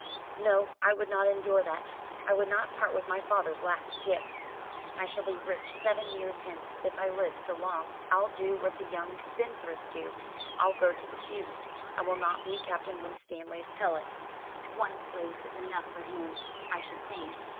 "No, I would not endure that. I would not part with my father's last gift. I shall be rich seven years hence, if I live so long. I'll do what the young spendthrifts do. I'll go to the Jews. I will not be Captain Winstanley's helot. One slave is enough for him, I should think.